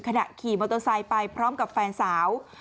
ขณะขี่มอเตอร์ไซค์ไปพร้อมกับแฟนสาว